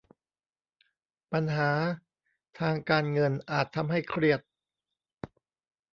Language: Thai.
ปัญหาทางการเงินอาจทำให้เครียด